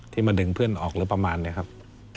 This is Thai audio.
มาดึงเพื่อนออกหรือประมาณนี้ครับ